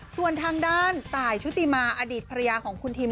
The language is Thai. ส่วนทางด้านตายชุติมาอดีตภรรยาของคุณทิม